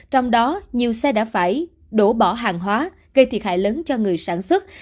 trong đó nhiều xe đã phải đổ bỏ hàng hóa gây thiệt hại lớn cho người sản xuất